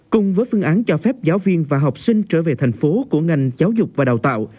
cùng với phương án cho phép giáo viên và học sinh trở về thành phố của ngành giáo dục và đào tạo